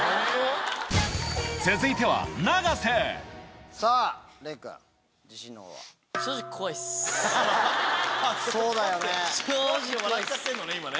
続いてはそうだよね。